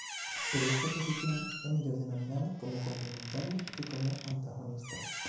Pero esta oposición é mellor denominala como complementaria que como antagonista.